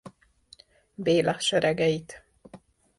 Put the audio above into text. Béla seregeit.